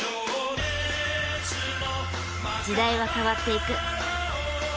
時代は変わっていく。